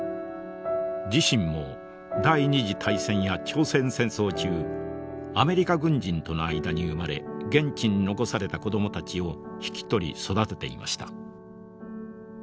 自身も第２次大戦や朝鮮戦争中アメリカ軍人との間に生まれ現地に残された子どもたちを引き取り育てていました。